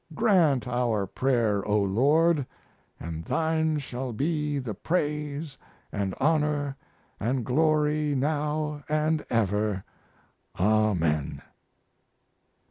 Grant our prayer, O Lord; & Thine shall be the praise & honor & glory now & ever, Amen."